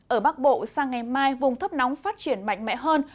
ở bắc bộ sang ngày mai vùng thấp nóng phát triển mạnh mẽ hơn